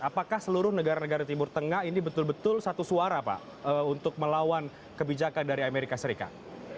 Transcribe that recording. apakah seluruh negara negara timur tengah ini betul betul satu suara pak untuk melawan kebijakan dari amerika serikat